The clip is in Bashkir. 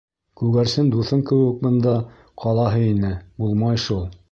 Күгәрсен дуҫың кеүек бында ҡалаһы ине, булмай шул...